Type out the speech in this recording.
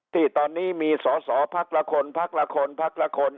ที่ตอนนี้มีสอสอพักละคนพักละคนพักละคน